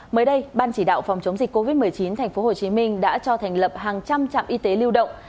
mới đây ban chỉ đạo phòng chống dịch covid một mươi chín tp hcm đã cho thành lập hàng trăm trạm y tế lưu động